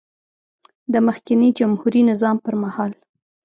د مخکېني جمهوري نظام پر مهال